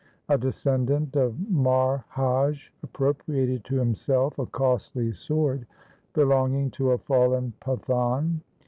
A descendant of Marhaj appropriated to himself a costly sword belonging to a fallen Pathan.